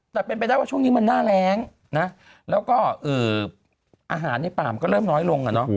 แต่เป็นไปได้ว่าช่วงนี้มันหน้าแรงนะแล้วก็อาหารในป่ามันก็เริ่มน้อยลง